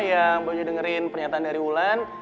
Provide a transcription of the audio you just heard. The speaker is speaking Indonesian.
yang banyak dengerin pernyataan dari wulan